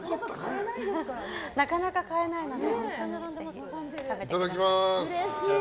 なかなか買えないので。